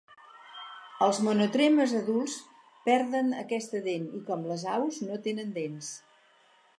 Els monotremes adults perden aquesta dent i, com les aus, no tenen dents.